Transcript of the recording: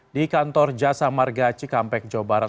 di kantor jasa margaci kampek jawa barat